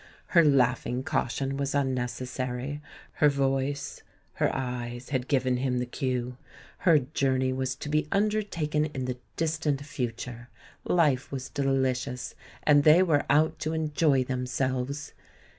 Her laughing caution was unnecessary; her voice, her eyes had given him the cue — her journey was to be undertaken in the distant future, life was dehcious, and they were out to enjoy themselves!